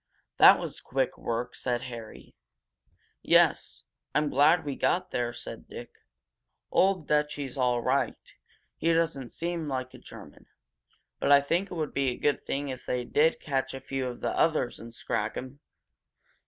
"That was quick work," said Harry. "Yes. I'm glad we got there," said Dick. "Old Dutchy's all right he doesn't seem like a German. But I think it would be a good thing if they did catch a few of the others and scrag them!"